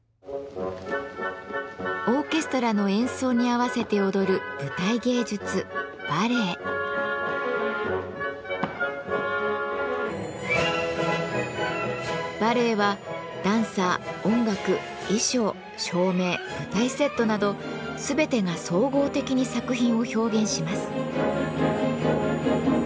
オーケストラの演奏に合わせて踊る舞台芸術バレエはダンサー音楽衣装照明舞台セットなど全てが総合的に作品を表現します。